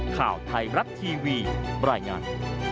ข่าวไทยมรัฐทีวีบรรยายงาน